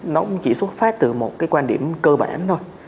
nó cũng chỉ xuất phát từ một cái quan điểm cơ bản thôi